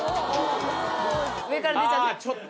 上から出ちゃってる。